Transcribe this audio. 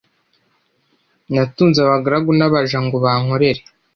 natunze abagaragu n'abaja ngo bankorere